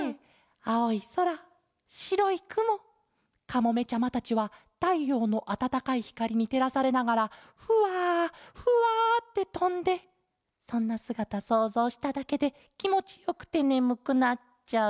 あおいそらしろいくもカモメちゃまたちはたいようのあたたかいひかりにてらされながらふわふわってとんでそんなすがたそうぞうしただけできもちよくてねむくなっちゃう。